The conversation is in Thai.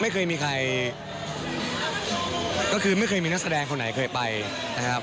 ไม่เคยมีใครก็คือไม่เคยมีนักแสดงคนไหนเคยไปนะครับ